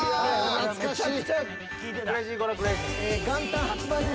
懐かしい。